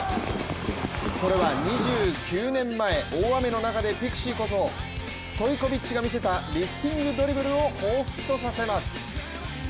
これは２９年前、大雨の中でピクシーことストイコビッチが見せたリフティングドリブルをほうふつとさせます。